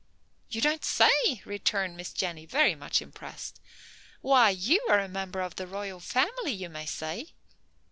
"You don't say?" returned Miss Jenny, very much impressed. "Why, you are a member of the royal family, you may say.